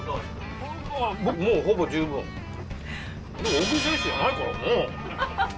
大食い選手じゃないからね。